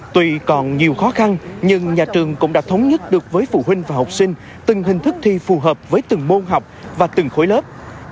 tuy còn nhiều khó khăn nhưng nhà trường cũng đã thống nhất được với phụ huynh và học sinh từng hình thức thi phù hợp với từng môn học và từng khối lớp